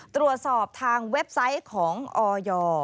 ตรวจสอบทางเว็บไซต์ของออย